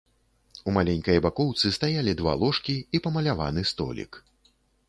У маленькай бакоўцы стаялі два ложкі і памаляваны столік.